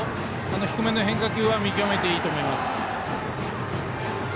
低めの変化球は見極めていいと思います。